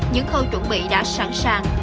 những khâu chuẩn bị đã sẵn sàng